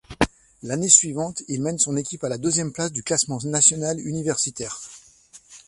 L'année suivante, il mène son équipe à la deuxième place du classement national universitaire.